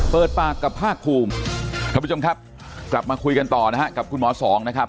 เปิดปากกับภาคภูมิท่านผู้ชมครับกลับมาคุยกันต่อนะฮะกับคุณหมอสองนะครับ